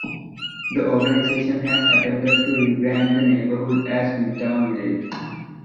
The organization has attempted to re-brand the neighborhood as Midtown Village.